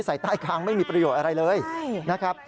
ใส่ใต้คางไม่มีประโยชน์อะไรเลยนะครับ